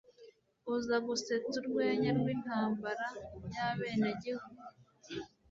Uza gusetsa urwenya rwintambara yabenegihugu